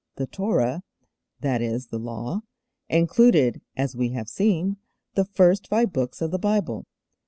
The 'Torah' that is, the Law included, as we have seen, the first five books of the Bible.